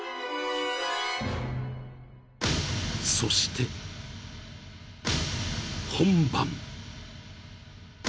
［そして本番］